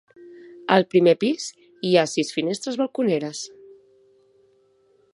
Al primer pis, hi ha sis finestres balconeres.